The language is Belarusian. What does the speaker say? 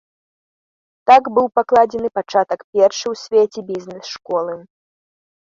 Так быў пакладзены пачатак першай у свеце бізнес-школы.